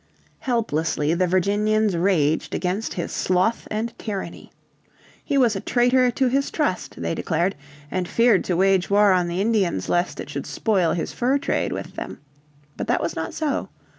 Helplessly the Virginians raged against his sloth and tyranny. He was a traitor to his trust, they declared, and feared to wage war on the Indians lest it should spoil his fur trade with them. But that was not so.